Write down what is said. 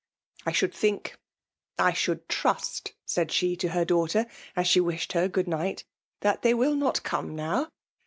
" I should think — I should trust,'' said she to her daughter, as she wished her good night, that they will not come now.